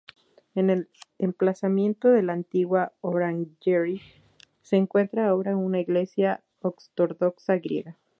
En el emplazamiento de la antigua "orangerie" se encuentra ahora una iglesia ortodoxa griega.